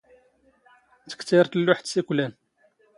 ⵜⴽⵜⴰⵔ ⵜⵍⵍⵓⵃⵜ ⵙ ⵉⴽⵯⵍⴰⵏ.